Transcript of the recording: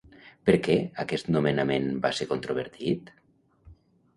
Per què aquest nomenament va ser controvertit?